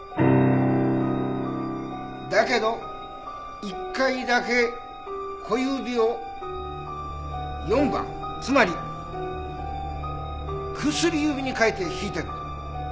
だけど１回だけ小指を４番つまり薬指に変えて弾いてるんだ。